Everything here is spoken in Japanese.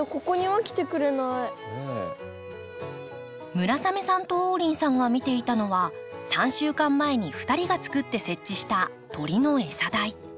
村雨さんと王林さんが見ていたのは３週間前に２人が作って設置した鳥の餌台。